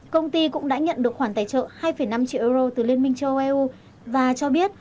công ty cũng đã nhận được khoản tài trợ hai năm triệu euro từ liên minh châu âu eu và cho biết